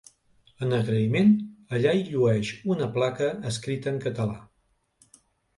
En agraïment allà hi llueix una placa escrita en català.